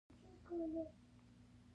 زه پوهنتون وایم